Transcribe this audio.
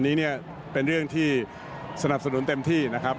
นี้เนี่ยเป็นเรื่องที่สนับสนุนเต็มที่นะครับ